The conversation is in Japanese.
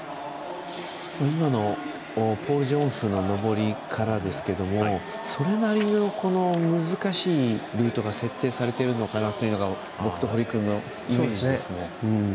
今のポール・ジョンフの登り方からですけどそれなりの難しいルートが設定されているのかなというのがイメージですね。